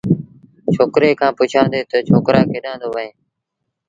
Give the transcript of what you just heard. ڇوڪري کآݩ پڇيآݩدي تا ڇوڪرآ ڪيڏآݩ دو وهيݩ